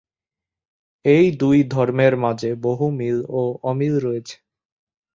এই দুই ধর্মের মাঝে বহু মিল ও অমিল রয়েছে।